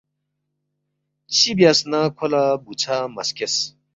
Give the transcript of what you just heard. چِہ بیاس نہ کھو لہ بُوژھا مہ سکیس